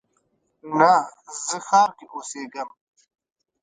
نه، زه ښار کې اوسیږم